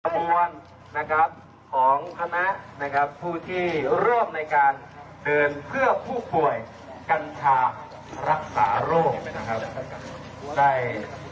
บวนนะครับของคณะนะครับผู้ที่เริ่มในการเดินเพื่อผู้ป่วยกัญชารักษาโรคนะครับได้